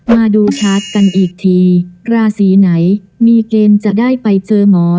มาดูชาร์จกันอีกทีราศีไหนมีเกณฑ์จะได้ไปเจอหมอ